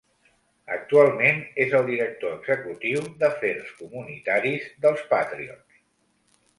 Actualment, és el director executiu d'afers comunitaris dels Patriots.